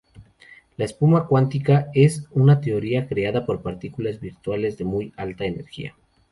La espuma cuántica es, en teoría, creada por partículas virtuales de muy alta energía.